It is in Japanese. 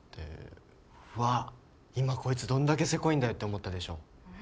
うわ今こいつどんだけセコいんだよって思ったでしょ。